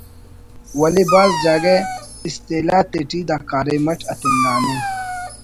ولے بھاز جاگہ اصطلاح تیٹی دا کاریم اٹ اتنگانے